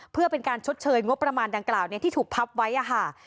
เพื่อเป็นการชดเชยงบประมาณดังกล่าวที่ถูกพับไว้ค่ะ